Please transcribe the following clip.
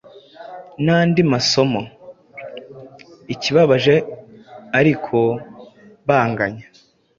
nandi masomo. Ikibabaje ariko banganya